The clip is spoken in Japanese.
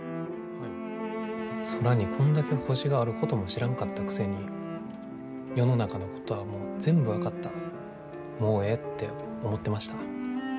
空にこんだけ星があることも知らんかったくせに世の中のことはもう全部分かったもうええって思ってました。